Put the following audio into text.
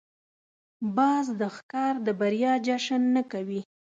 باز د ښکار د بریا جشن نه کوي